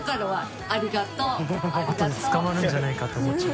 あとで捕まるんじゃないかと思っちゃう。